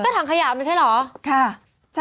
ถังขยะมันใช่หรอค่ะ